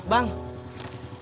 tidak ada yang kaget